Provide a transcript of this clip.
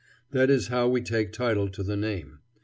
That is how we take title to the name.